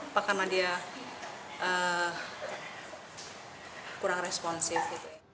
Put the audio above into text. apa karena dia kurang responsif